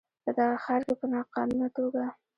په دغه ښار کې په ناقانونه توګه